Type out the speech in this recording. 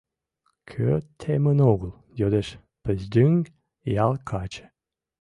— Кӧ темын огыл? — йодеш Пыздӱҥ ял каче.